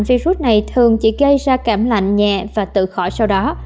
virus này thường chỉ gây ra cảm lạnh nhẹ và tự khỏi sau đó